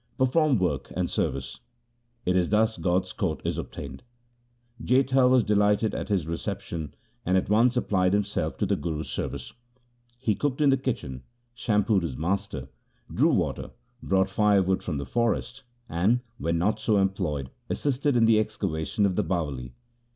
Perform work and service. It is thus God's court is obtained.' Jetha was delighted at his reception, and at once applied himself to the Guru's service. He cooked in the kitchen, shampooed his master, drew water, brought firewood from the forest, and, when not so employed, assisted in the excavation of the Bawali.